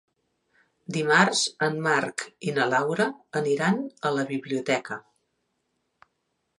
Dimarts en Marc i na Laura aniran a la biblioteca.